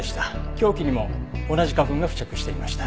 凶器にも同じ花粉が付着していました。